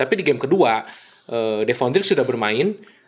tapi di game kedua devondrik sudah bermain